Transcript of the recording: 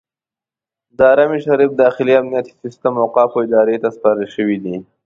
د حرم شریف داخلي امنیتي سیستم اوقافو ادارې ته سپارل شوی دی.